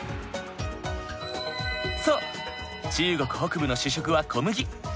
そう中国北部の主食は小麦。